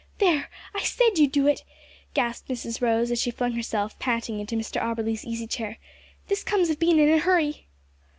"There! I said you'd do it," gasped Mrs Rose, as she flung herself, panting, into Mr Auberly's easy chair; "this comes of bein' in a hurry."